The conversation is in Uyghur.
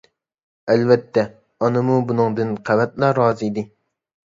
ئەلۋەتتە، ئانىمۇ بۇنىڭدىن قەۋەتلا رازى ئىدى.